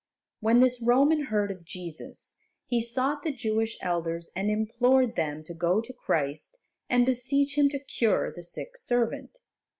When this Roman heard of Jesus, he sought the Jewish elders and implored them to go to Christ and beseech Him to cure the sick servant.